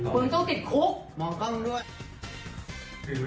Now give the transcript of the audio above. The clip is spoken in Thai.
คนติดคุก